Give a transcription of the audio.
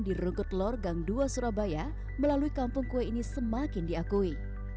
di rungkut lor gang dua surabaya melalui kampung kue ini semakin diakui